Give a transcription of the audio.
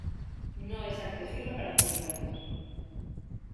No es accesible para minusválidos.